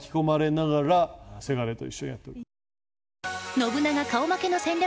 信長顔負けの戦略